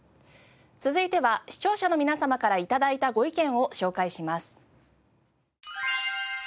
続いては視聴者の皆様から頂いたご意見を紹介します。